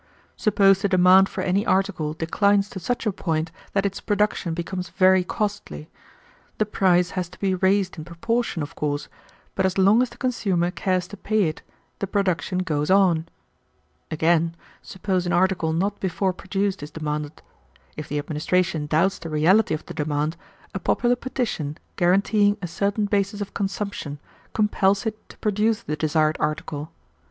Suppose the demand for any article declines to such a point that its production becomes very costly. The price has to be raised in proportion, of course, but as long as the consumer cares to pay it, the production goes on. Again, suppose an article not before produced is demanded. If the administration doubts the reality of the demand, a popular petition guaranteeing a certain basis of consumption compels it to produce the desired article.